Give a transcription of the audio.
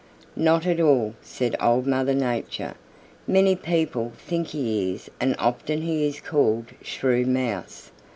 "Not at all," said Old Mother Nature. "Many people think he is and often he is called Shrew Mouse.